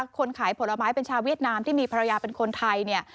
คนขายผลไม้เป็นชาวเวียดนามที่มีภรรยาเป็นคนไทยเนี่ย